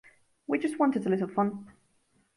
We just wanted a little fun.